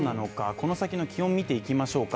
この先の気温、見ていきましょうか。